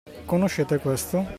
Conoscete questo?